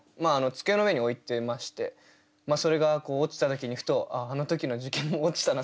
机の上に置いてましてそれが落ちた時にふと「あの時の受験も落ちたな